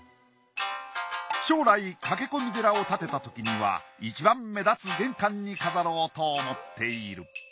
将来駆け込み寺を建てたときにはいちばん目立つ玄関に飾ろうと思っている。